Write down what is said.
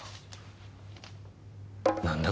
何だ？